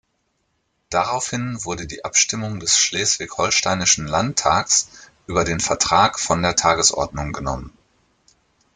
Daraufhin wurde die Abstimmung des schleswig-holsteinischen Landtags über den Vertrag von der Tagesordnung genommen.